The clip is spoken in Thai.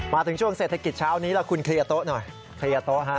มาถึงช่วงเศรษฐกิจเช้านี้ละคุณเคลียร์โต๊ะหน่อย